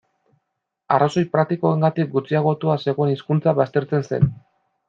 Arrazoi praktikoengatik gutxiagotua zegoen hizkuntza baztertzen zen.